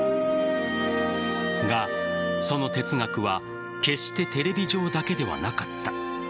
が、その哲学は決してテレビ上だけではなかった。